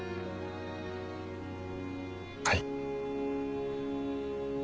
はい。